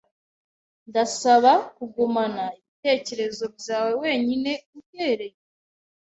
Ndasaba kugumana ibitekerezo byawe wenyine uhereye ubu.